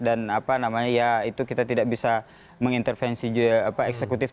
dan kita tidak bisa mengintervensi eksekutif